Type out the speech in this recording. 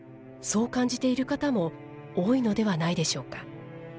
そう感じている方も多いのではないでしょうか。